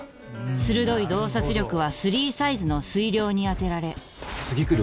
鋭い洞察力はスリーサイズの推量に当てられ次来る